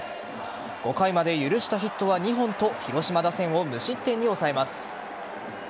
５回まで許したヒットは２本と広島打線を無失点に抑えます。